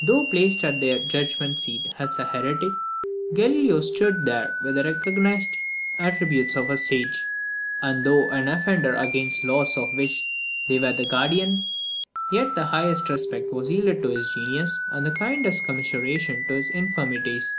Though placed at their judgment seat as a heretic, Galileo stood there with the recognised attributes of a sage; and though an offender against the laws of which they were the guardian, yet the highest respect was yielded to his genius, and the kindest commiseration to his infirmities.